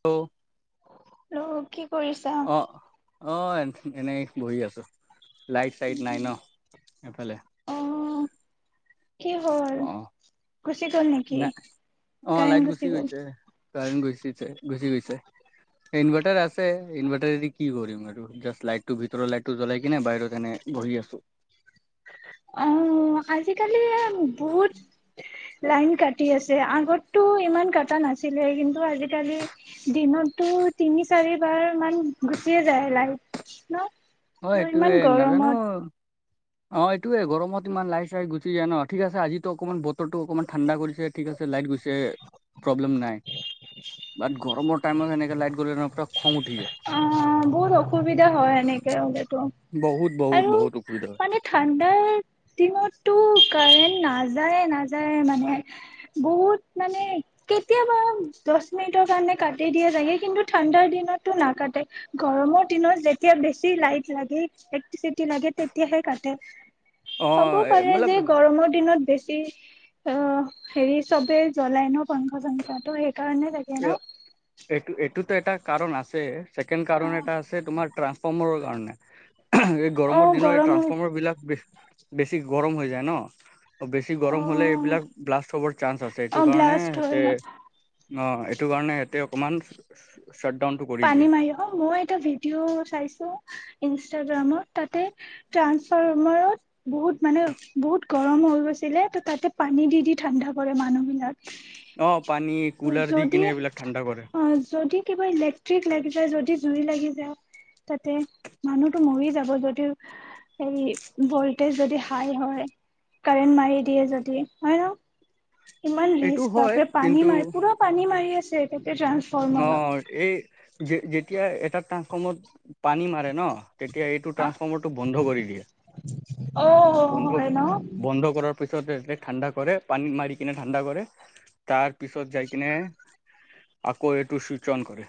Hello hello কি কৰিছা? অ অ এনেই বহি আছোঁ লাইট চাইট নাই ন এফালে অ কি হ'ল গুচি গ'ল নেকি নাই অ কাৰেণ লাইট গুচি গ'ল গৈছে কাৰেণ্ট গুচিছে গুচি গৈছে ইনভাৰ্টাৰ আছে ইনভাৰটাৰেদি কি কৰিম আৰু জাষ্ট লাইটটো ভিতৰত ভিতৰৰ লাইটটো জ্বলাই কিনে বাহিৰত এনে বহি আছোঁ অ আজিকালি এ বহুত লাইন কাটি আছে আগতটো ইমান কটা নাছিলে কিন্তু আজিকালি দিনতটো তিনি চাৰিবাৰ মান গুচিয়ে যায় লাইত ন অ ইমান এইটোৱে নেজানো গৰমত অ এইটোয়ে গৰমত ইমান লাইট চাইট গুচি যায় ন ঠিক আছে আজিতো অকণমান বতৰটো অকমান ঠাণ্ডা কৰিছে ঠিক আছে লাইট গৈছে প্ৰব্লেম নাই বাট গৰমৰ টাইমত এনেকে লাইট গ'লে ন পুৰা খং উঠি যায় অ বহুত অসুবিধা হয় এনেকে হ'লে বহুত বহুত আৰু বহুত অসুবিধা হয় মানে ঠাণ্ডাৰ দিনত টো কাৰেণ্ট নাযায়ে নাযায়ে মানে বহুত মানে কেতিয়াবা দচ মিনিটৰ কাৰণে কাটি দিয়া ছাগে কিন্তু ঠাণ্ডাৰ দিনতটো নাকাটে গৰমৰ দিনত যেতিয়া বেছি লাইট লাগে ইলেক্ট্ৰিচিটি লাগে তেতিয়াহে কাটে অ হ'ব পাৰে যে মতলব গৰমৰ দিনত বেছি হেৰী অ হেৰী চবে জ্বলাই ন পাংখা চাংখা ত সে কাৰণে থাকে ন টো এটা কাৰণ আছে ছেকেণ্ড অ কাৰণ এটা আছে তোমাৰ ট্ৰান্সফৰ্মৰৰ কাৰণে উমহ উমহ এই গৰমৰ অ দিনৰ এই গৰম ট্ৰানঞ্চফৰ্মাৰ বিলাক বেছি বেছি গৰম হৈ যায় ন বেছি অ গৰম হ'লে এইবিলাক ব্লাষ্ট হ'বৰ চান্স আছে এইটো অ কাৰণে ব্লাষ্ট হয় সেতে ন অ এইটো কাৰণে ইয়াতে অকমান শ্বাটডাউনটো কৰি পানী দিয়ে মাৰি অ মই এটা ভিডিঅ' চাইছোঁ ইনষ্টাগ্ৰামত তাতে ট্ৰানসফাৰ্মাৰত বহুত মানে বহুত গৰম হৈ গৈছিলে ত তাতে পানী দি দি ঠাণ্ডা কৰে মানুহ বিলাক অ পানী কুলাৰ দি যদি কিনে এইবিলাক ঠাণ্ডা কৰে অ যদি কিবা ইলেক ইলেকট্ৰিক লাগি যায় যদি জুই লাগি যায় তাতে মানুহটো মৰি যাব যদি হে ভলটেজ যদি হাই হয় কাৰেণ্ট মাৰি দিয়ে যদি হয় ন ইমান এইটো ৰেষ্ট হয় বাপৰে পানী কিন্তু মাৰি পুৰা পানী মাৰি আছে সেইতোৱে অ এই যে যে যেতিয়া এটা ট্ৰাঞ্চফৰ্মাৰত পানী মাৰে ন তেতিয়া এইটো ট্ৰাঞ্চফৰ্মাৰটো বন্ধ কৰি দিয়ে অ বন্ধ হয় ন বন্ধ কৰা পিছতে এ ঠাণ্ডা কৰে পানী মাৰি কিনে ঠাণ্ডা কৰে তাৰ পিছত যাই কিনে আকৌ এইটো চুইচ অন কৰে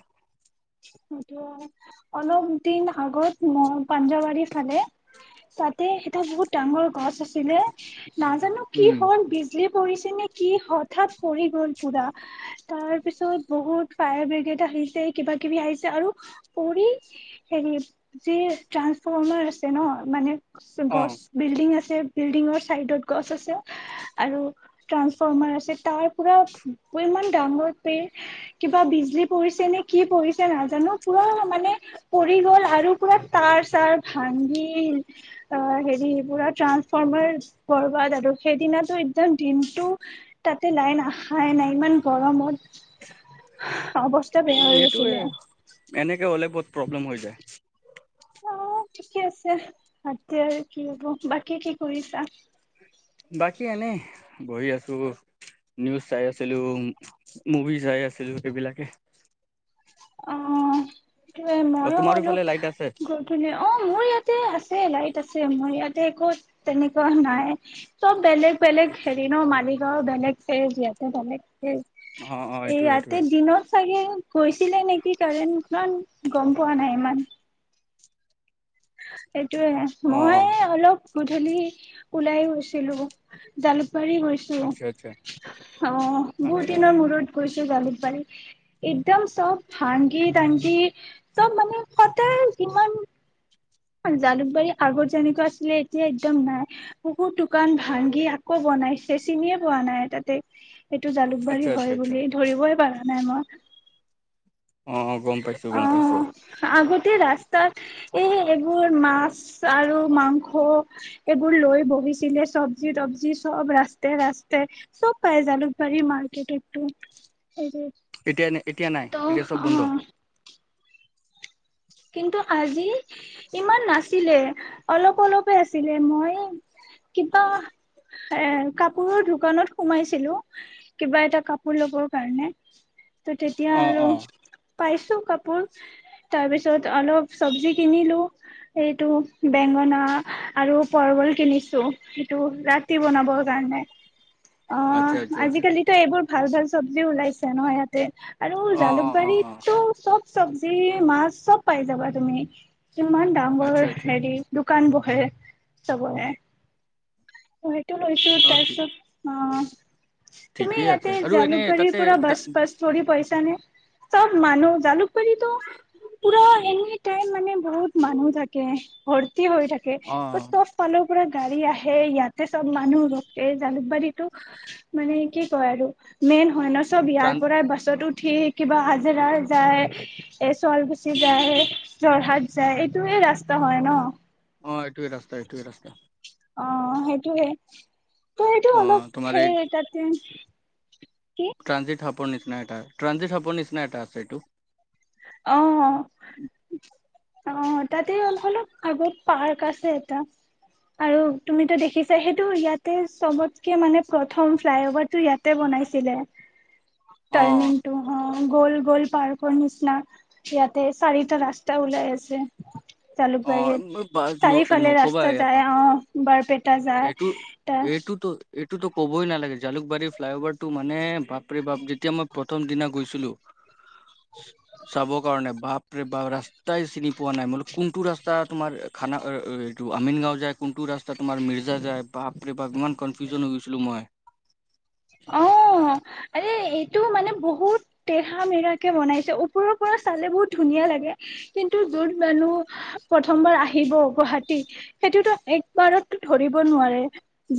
অলপ দিন আগত ম পাঞ্জাবাৰী ফালে তাতে এটা বহুত ডাঙৰ গছ আছিলে নাজানো কি উম হ'ল বিজলী পৰিছে নেকি কি হঠাৎ পঢৰি গ'ল পুৰা তাৰ পিছত বহুত ফায়াৰ ব্ৰেগ এটা আহিলে কিবা কিবি আহিছে আৰু পৰি হেৰি যি ট্ৰানসফৰ্মাৰ আছে ন মানে অ গছ বিল্ডিং আছে বিল্ডিঙৰ চাইডত গছ আছে আৰু ট্ৰানসফৰ্মাৰ আছে তাৰ পৰাও ইমান ডাঙৰ পেৰ কিবা বিজলী পৰিছে নে কি পৰিছে নাজানো পুৰা মানে পৰি গ'ল আৰু পুৰা তাৰ চাৰ ভাগি হেৰি পুৰা ট্ৰানসফৰ্মাৰ বৰবাদ আৰু সেই দিনাটো একদম দিনটো তাতে লাইন অহাই নাই ইমান গৰমত অৱস্থা বেয়া হৈ এইটোয়ে গৈছিলে এনেকে হ'লে বহুত প্ৰব্লেম হৈ যায় অ ঠিকে আছে আতিয়া আৰু কি হ'ব বাকী কি কৰিছা বাকী এনে বহি নিউজ চাই আছিলো মুভি চাই আছিলো সেইবিলাকে অ য়ে অ মইয়ো তোমাৰো অলপ ইফালে লাইট আছে গধূলী অ মোৰ ইয়াতে আছে এ লাইট আছে আম ইয়াত একো তেনেকুৱা নাই চব বেলেগ পেলেগ ঠিক হেৰী ন মালিক ত' বেলেগ তেজ ইয়াতে বেলেগ তেজ অ অ এইটো ইয়াতে এইটোয়ে দিনত চাগে গৈছে লে নেকি কাৰেন ইমান গম পৰা নাই ইমান সেইটোয়ে অ মই অ অলপ গধূলি ওলাই গৈছিলো জালুক বাৰি গৈছো আচ্ছা আচ্ছা অ বহুত আচ্ছা দিনৰ মূৰত গৈছো। জালুকবাৰি একদম চব ভাঙ্গি টাংগি চব মানে সদায় যিমান জালুকবাৰী আগত যেনেকুৱা আছিলে এতিয়া একদম নাই বহুত দোকান ভাগি আকৌ বনাইছে চিনিয়ে পোৱা নাই তাতে। এইটো আচ্ছা জালুকবাৰী আচ্ছা হয় আচ্ছা বুলি ধৰিবই পাৰা নাই মই। অ গম পাইছো গম পাইছো তাত এই এইবোৰ মাছ আৰু মাংস এইবোৰ লৈ বহিছিলে চবজি তবজি চব ৰাস্তে ৰাস্তাই চব পাই জালুকবাৰী মাৰ্কেটটো হেৰি এতিয়া ন এতিয়া নাই ত এতিয়া চব বন্ধ। অ' কিন্তু আজি ইমান নাছিলে অলপ অলপে আছিলে মই কিবা এ কাপোৰৰ দোকানত সোমাইছিলো কিবা এটা কাপোৰ লবৰ কাৰণে। ত তেতিয়া অ আৰু অ পাইছো কাপোৰ তাৰপিছত অলপ চব্জি কিনিলো এইটো বেঙেনা আৰু পৰ্বল কিনিছো এইটো ৰাতি বনাবৰ কাৰণে। অ আচ্ছা আচ্ছা আচ্ছা আজিকালিতো এইবোৰ ভাল ভাল চব্জি ওলাইছে নহয় ইয়াতে। আৰু অ অ অ অ জালুকবাৰীতটো চব চব্জি মাছ চব পাই যাবা তুমি। কিমান ডাঙৰ আচ্ছা আচ্ছা হেৰি দোক কানবোৰ বহে চবৰে। [inaudible] টো লৈছো অ ঠিক তাৰপিছত, অ। [inaudible] তুমি ঠিকেই আছে ইয়াতে আৰু এনে জালুকবাৰীৰ তাতে পৰা বাছ দা- বাছ ধৰি পাইছা নে? চব মানুহ জালুকবাৰীতো পুৰা এনি টাইম মানে বহুত মানুহ থাকে ভৰ তি হৈ থাকে। অ ত' চব ফালৰ পৰা গাড়ী আহে এ ইয়াত। ইয়াতে চব মানুহ ৰখে জালুকবাৰীটো মানে কি কয় আৰু মেইন হয় ন' চব ইয়াৰ ট্ৰান পৰাই বাছত উঠি কিবা হাজাৰা যায়, এ চোৱালকুছি যায়, যোৰহাট যায় এইটোৱে ৰাস্তা হয় ন'। এইটোৱেই ৰাস্তা এইটোৱেই ৰাস্তা। অ সেইটো হে ত' সেইটো অ অলপ তোমাৰ এই সেই তাতে কি ট্ৰানজিট হ সাপৰ নিচিনা এটা আছে, ট্ৰানজিট সাপৰ নিচিনা আছে এইটো। অ'। অ' তাতে অলপ আগত পাৰ্ক আছে এটা, আৰু তুমিতো দেখিছাই সেইটো ইয়াতে চবতকে মানে প্ৰথম ফ্লাইঅভাৰটো ইয়াতে বনাইছিলে। অ টাৰ্ণিংটো সঁহ। গ'ল গ'ল পাৰ্কৰ নিচি না, ইয়াতে চাৰিটা ৰাস্তা ওলাই আছে। অ জালুকবাৰীত, ম- বাছ ন চাৰিফালে নকবা ৰাস্তা এয়া, যায় বাপ আহ বাৰপেটা যায় এইটো এটা। এইটোতো এইটোতো ক'বই নালাগে জালুকবাৰী ফ্লাইঅভাৰটো মানে, বাপৰে বাপ! যেতিয়া মই প্ৰথম দিনা গৈছিলো। চাব কাৰণে, বাপৰে বাপ! ৰাস্তাই চিনি পোৱা নাই। মই বোলো, কোনটো ৰাস্তা তোমাৰ খানা এইটো আমিন গাঁও যাক কোনটো ৰাস্তা তোমাৰ মিৰ্জা যায় বাপ ইমান কনফিউজন হৈ গৈছিলো মই অঁ আৰে এইটো মানে বহুত তেৰা মেৰাকে বনাইছে ওপৰৰ পৰা চালে বহুত ধুনীয়া লাগে কিন্তু দূৰ মানুহ প্ৰথমবাৰ আহিব গুৱাহাটী সেইটোতো একবাৰতো ধৰিব নোৱাৰে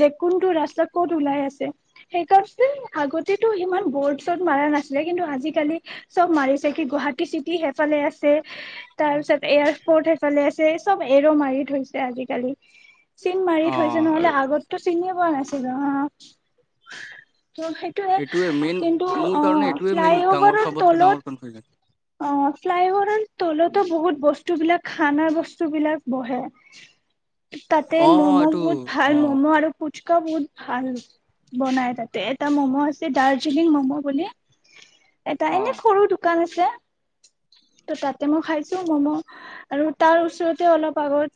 যে কোনটো ৰাস্তা কত ওলাই আছে সেইকাৰণ আগতেতটো ইমান বৰ্ড চৰ্ড মাৰা নাছিলে কিন্তু আজিকালি চব মাৰিছে কি গুৱাহাটী চিটি সেইফালে আছে তাৰ পিছত এয়াৰপৰ্ট সেইফালে আছে চব এৰ মাৰি থৈছে আজিকালি চিন মাৰি অ থৈছে নহলে আগতটো চিনিয়ে পোৱা নাছিল অঁ ত সেইটোয়ে এইটোৱে মেইন কিন্তু মোৰ কাৰণে অঁ এইটোৱে মেইন ডাঙৰ ফ্লাইঅভাৰৰ চবতকে ডাঙৰ কনফিউজন তলত অঁ ফ্লাইঅভাৰৰ তলতো বহুত বস্তু বিলাক খানা বস্তু বিলাক বহে তাতে অ অ মম' এইটো বহুত অ ভাল ম'ম' আৰু পুচ শকা বহুত ভাল বনাই তাতে এটা ম'ম' আছে দাৰ্জিলিং ম'ম' বুলি এটা অ এনে সৰু দোকান আছে ত তাতে মই খাইছো ম'ম' আৰু তাৰ ওচৰতে অলপ আগত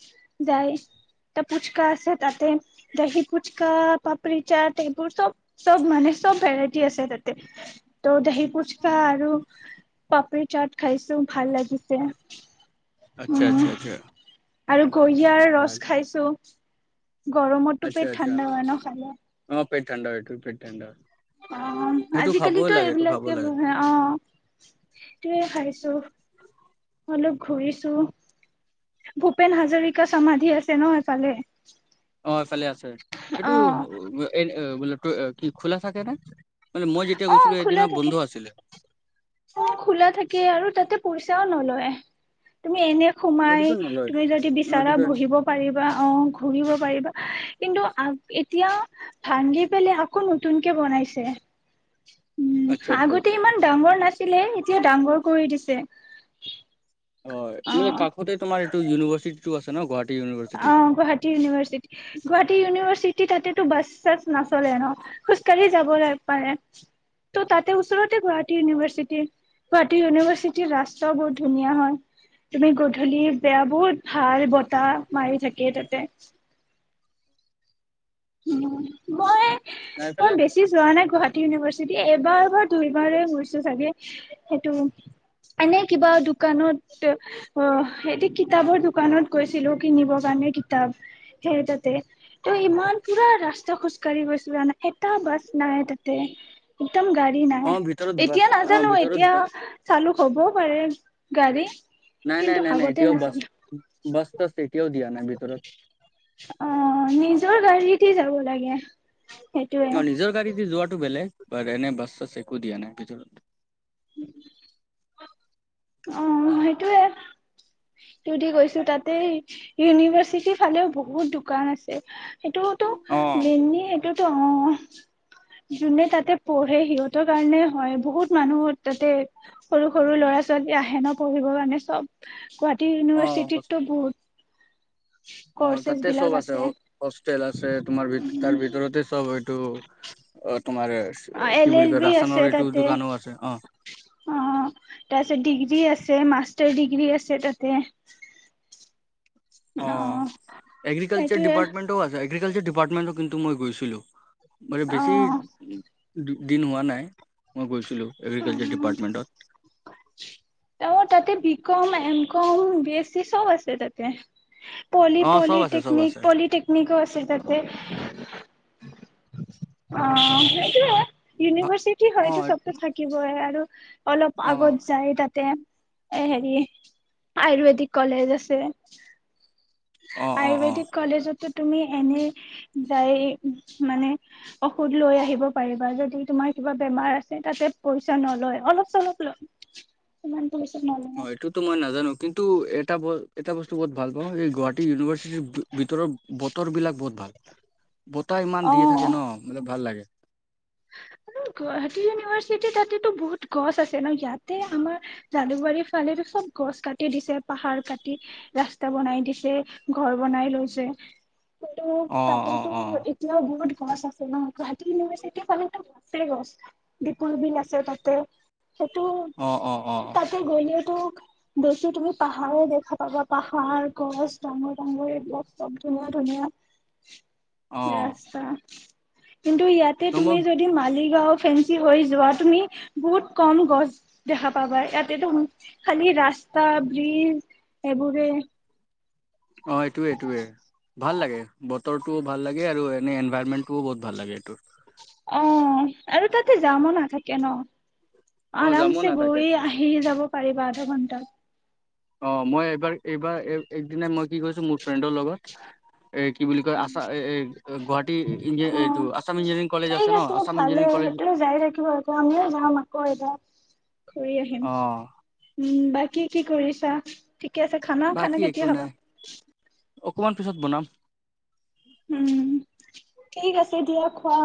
যাই এ ফুচকা আছে তাতে দহি ফুচকা পাপৰি চাট টবোৰ চব চব মানে চব ভেৰাইটি আছে তাতে ত' পুচকাহ আৰু পাপিৰ চাট খাইছো ভাল লাগিছে আচ্ছা উম আচ্ছা আচ্ছা আৰু কুহিয়াৰ ভাল ৰস খাইছো গৰমতটো আচ্ছা পেট আচ্ছা ঠাণ্ডা হয় ন খালে অ পেট ঠাণ্ডা হয় টো। পেট ঠাণ্ডা অ', সেইটো খাবই আজিকালিতো লাগে এইটো খাব এইবিলাকে। লাগে অঁ'। সিটোৱে ভাবিছোঁ। অলপ ঘূৰিছো। ভূপেন হাজৰিকা সমাধি আছে ন এফালে। ফালে আছে। সেইটো [unintelligible] কি খোলা থাকে নে? মানে মই যেতিয়া গৈছিলো সেইদিনা বন্ধ আছিলে। অঁ', খোলা থাকে আৰু তাতে পইচাও নলয়। তুমি এনে মই সোমাই এইটোতো নলওঁ এইটো তুমি যদি বিচাৰা মইটোতো বহিব পাৰিবা। অঁ', ঘূৰিব পাৰিবা। কিন্তু আঁ এতিয়া ভাঙি পেলাই, আকৌ নতুনকে বনাইছে। উম', আচ্ছা আচ্ছা আগতে আচ্ছা ইমান ডাঙৰ না এতিয়া ডাঙৰ কৰি দিছে। হয়। অ মানে কাষতে তোমাৰ ইটো ইউনিভাৰ্চিটি টো আছে ন গুৱা অ', গুৱাহাটী ইউনিভাৰ্চিটি। গুৱাহাটী ইউনিভাৰ্চিটিৰ তাতে তো বাছ তাছ নচলে ন খোজ কাঢ়ি যাব ল পাৰে। ত' তাতে ওচৰতে গুৱাহাটী ইউনিভাৰ্চিটি। গুৱাহাটী ইউনিভাৰ্চিটিৰ ৰাস্তাও বহুত ধুনীয়া হয়। তুমি গধূলি বেয়া বহুত ভাল বতাহ মাৰি থাকে তাতে। হুম মই নাই মই এইফালে বেছি যোৱা নাই গুৱাহাটী ইউনিভাৰ যদি এবাৰ এবাৰ দুইবাৰে গৈছো চাগে সেইটো এনে কিবা দোকানত অ সেইটি কিতাপৰ দোকানত গৈছিলো কিনিব কাৰণে কিতাপ সেই তাতে। ত ইমান পুৰা ৰাস্তা খোজ কঢ়ি গৈছিলো জানা এটা বাছ নাই তাতে। একদম গাড়ী অ নাই। ভিতৰত বাছ এতিয়া অ নাজানো ভিতৰত এতিয়া বাছ চালু হ'বও পাৰে গাড়ী নাই নাই কিন্তু নাই নাই আগতে এতিয়াও বাছ নাছিল বাছ তাছ এতিয়াও দিয়া নাই। ভিতৰত অ নিজৰ গাড়ী উঠি যাব লাগে। সেইটোয়ে অ নিজৰ গাড়ী দি যোৱা তো বেলেগ বাট এনে বাছ তাছ একো দিয়া নাই ভিতৰত উ' অ সেইটোৱে সিটোদি গৈছো তাতে ইউনিভাৰ্চিটিৰ ফালেও বহুত দোকান আছে। সেইটোওতো অ মেইনলি সেইটোতো অ যোনে তাতে পঢ়ে সিহঁতৰ কাৰণে হয় বহুত মানুহ তাতে সৰু সৰু ল'ৰা যদি আহে ন পঢ়িব কাৰণে চব গুৱাহাটী অ ইউনিভাৰ্চিটিততো বহুত অ কৰ্চেছ তাতে বিলাক চব আছে হ হোষ্টেল আছে তোমাৰ তাৰ ভিতৰতে চব হয় টো অ তোমাৰ অ কি এল বুলি এল কয় বি আছে ৰাচনৰ এইটো তাতে দোকানো আছে অ অ তাৰপিছত ডিগ্ৰী আছে মাচ ষ্টাৰ ডিগ্ৰী আছে তাতে অ এগ্ৰিকালচাৰ সেইটোয়ে ডিপাৰ্টমেণ্টও আছে এগ্ৰিকালচাৰ ডিপাৰ্টমেণ্টত কিন্তু মই গৈছিলোঁ মানে অ বেছি ডি দিন হোৱা নাই মই গৈছো উম তেওঁ তাতে বি কম এম কম বেছ এচি চব আছে তাতে পলি অ চব আছে চব পলিটেকনিক আছে পলিটেকনিকো আছে তাতে অ সেইটোৱে ভা ইউনিভাৰ্চিটি অ হয়তো চবতো থাকিবই আৰু অলপ অ আগত যায় তাতে এ হেৰি আয়ুৰ্বেদিক কলেজ আছে অ অ অ আয়ুৰ্বেদিক কলেজতো তুমি এনে যাই মানে ঔষধ লৈ আহিব পাৰিবা যদি তোমাৰ কিবা বেমাৰ আছে তাতে পইচা নলয় অলপ চলপ লয় পইচা নলয় অঁ এইটোতো মই নাজানো কিন্তু এটা এটা বস্তু বহুত ভালওঁ এই গুৱাহাটীৰ ইউনিভাৰ্চিটিৰ ভিতৰতৰত বত ৰ বিলাক বহুত ভাল বতাহ ইমান দিয়ে থাকে অ', ন ভাল লাগে গুৱাহাটী ইউনিভাৰ্চিটি তাতেতো বহুত গছ আছে ন ইয়াতে আমাৰ জালুকবাৰীত ফালে চব গছ কাটি দিছে পাহাৰ কাটি ৰাস্তা বনাই দিছে ঘৰ বনাই লৈছে কিন্তু অ অ তাতেতো অ এতিয়াও বহুত গচ আছে ন গুৱাহাটীৰ চাই ডে চালে নো গছে গছ দিপৰ বিল নাছে তাতে সেইটো অ অ অ তাতে গল বেছি তুমি পাহাৰে দেখা পাবা পাহাৰ গছ ডাঙৰ ডাঙৰ এইবিলাক চব ধুনীয়া ধুনীয়া অ ৰাস্তা কিন্ত ইয়াত তে ন মই তুমি যদি মালিক গাও ফেঞ্চি হৈ যোৱা তুমি বহুত কম গছ দেখা পাবা ইয়াতে তুমি খালি ৰাস্তা ব্ৰিজ এইবোৰে অঁ এইটোৱে এইটোৱে ভাল লাগে বতৰ ভাল লাগে আৰু এনে এনভাৰৰমেটটোও বহুত ভাল লাগে এইটো অঁ আৰু তাতে যাম নাথাকে ন অ যামো আৰামছে না তাকে গৈ আহি যাব পাৰিবা আধা ঘণ্টাত অঁ মই এইবাৰ এইবাৰ একদনা মই কি কৰিছো মোৰ ফ্ৰেণ্ডৰ লগত এ কি বুলি কয় আছা এ গুৱাহাটী ইঞ্জি এইটো অঁ আছাম ইঞ্জিনিয়াৰিং কলেজ ঠিক ন আছে আছাম ভালে ইঞ্জিনিয়াৰিং কলেজ সেইটো যাই থাকিব আকৌ আমিও যাম আকৌ এবাৰ ঘূৰি আহিম অ উম বাকী কি কৰিছা ঠিকে আছে খানা খানা বাকী একো কেতিয়া নাই খাবা অকমান পিছত বনাম উম ঠিক আছে দিয়া খোৱা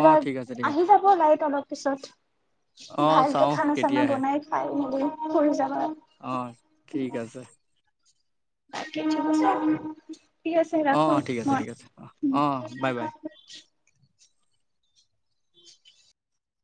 অ ঠিক আছে ঠিক আহি আছে যাব লাইট অলপ পিছত অ ভালকে চাও খানা চানা কেতিয়া আহে বনাই খাই মেলি শুই যাবা অ' ঠিক আছে। [unintelligible] ঠিক আছে, অ ৰাখো অ ঠিক আছে ঠিক আছে অ মই। অ বাই বাই [inaudible]